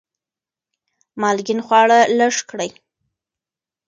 مالګین خواړه لږ کړئ.